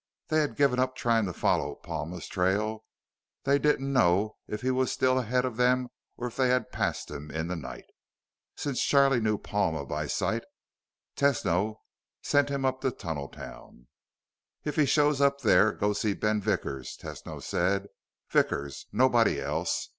They had given up trying to follow Palma's trail; they didn't know if he was still ahead of them or if they had passed him in the night. Since Charlie knew Palma by sight, Tesno sent him on up to Tunneltown. "If he shows up there, go see Ben Vickers," Tesno said. "Vickers. Nobody else.